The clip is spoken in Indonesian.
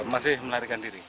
masih melarikan diri